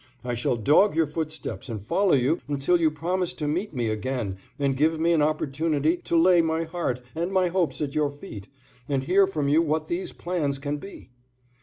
I shall dog your footsteps and follow you until you promise to meet me again, and give me an opportunity to lay my heart and my hopes at your feet, and hear from you what these plans can be."